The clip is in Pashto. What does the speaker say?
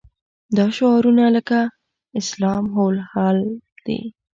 دا شعارونه لکه الاسلام هو الحل دي.